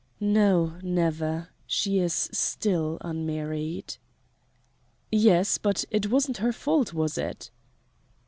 "No never. She is still unmarried." "Yes but it wasn't her fault, was it?"